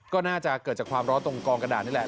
ก็น่าจะเกิดจากความร้อนตรงกองกระดาษนี่แหละ